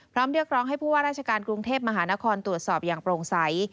เรียกร้องให้ผู้ว่าราชการกรุงเทพมหานครตรวจสอบอย่างโปร่งใส